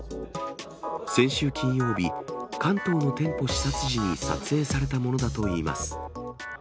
先週金曜日、関東の店舗視察時に撮影されたものだといいます。